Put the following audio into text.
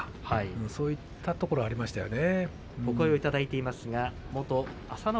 そういったところがありましたね。